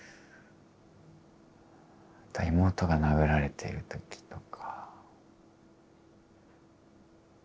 妹が殴られている時とか。